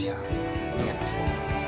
ya tuhan ya tuhan